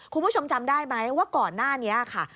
คุณผู้ชมจำได้ไหมว่าก่อนหน้านี้ค่ะ